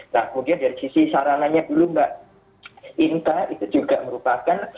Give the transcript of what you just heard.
nah mungkin dari sisi saranannya dulu mbak inka itu juga merupakan